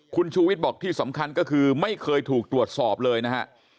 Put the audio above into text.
คุณชูวิทย์บอกที่สำคัญก็คือไม่เคยถูกตรวจสอบเลยนะฮะ